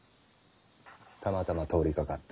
たまたま通りかかって。